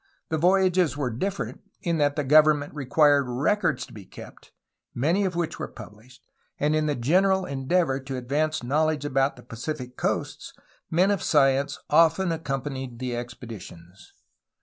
The voyages were different in that the government required records to be kept, many of which were pubhshed, and in the general endeavor to advance knowledge about Pacific coasts, men of science often accompanying the expeditions.